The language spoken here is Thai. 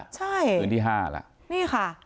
ใช่นี่ค่ะคืนที่๕ละ